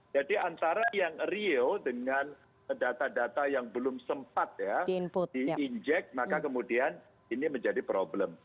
jadi antara yang real dengan data data yang belum sempat ya diinjek maka kemudian ini menjadi problem